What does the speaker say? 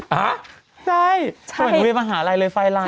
ฮะใช่สมัยหนูเรียนมหาลัยเลยไฟล์ไลท์